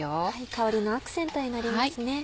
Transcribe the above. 香りのアクセントになりますね。